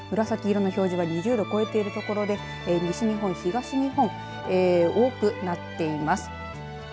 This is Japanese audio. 紫色の表示が２０度を超えている所で西日本、東日本多くなっています。